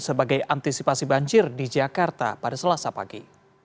sebagai antisipasi banjir di jakarta pada selasa pagi